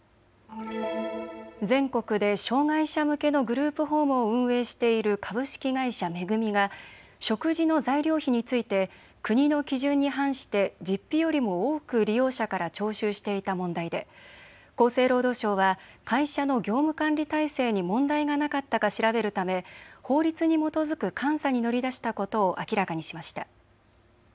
全国で障害者向けのグループホームを運営している株式会社恵が食事の材料費について国の基準に反して実費よりも多く利用者から徴収していた問題で厚生労働省は会社の業務管理体制に問題がなかったか調べるため法律に基づく監査に乗り出したことを明らかにしました。